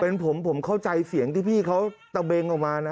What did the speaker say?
เป็นผมผมเข้าใจเสียงที่พี่เขาตะเบงออกมานะ